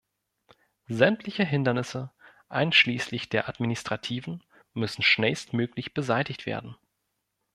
Sämtliche Hindernisse einschließlich der administrativen müssen schnellstmöglich beseitigt werden.